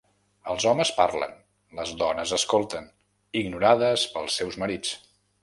Els homes parlen, les dones escolten, ignorades pels seus marits.